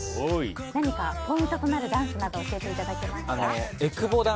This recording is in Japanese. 何かポイントとなるダンスなどを教えていただけますか。